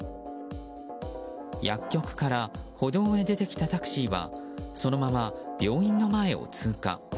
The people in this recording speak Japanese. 薬局から歩道へ出てきたタクシーはそのまま病院の前を通過。